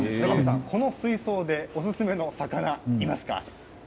この水槽でおすすめの魚いますか。